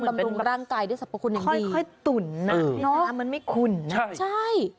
เตรียมสำคุณอย่างดีค่อยตุ๋นนะเนอะแบบมันไม่คุ้นนะใช่